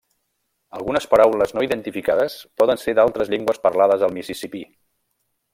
Algunes paraules no identificades poden ser d'altres llengües parlades al Mississipí.